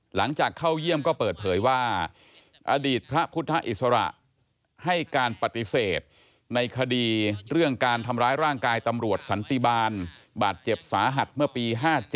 หลังจากเข้าเยี่ยมก็เปิดเผยว่าอดีตพระพุทธอิสระให้การปฏิเสธในคดีเรื่องการทำร้ายร่างกายตำรวจสันติบาลบาดเจ็บสาหัสเมื่อปี๕๗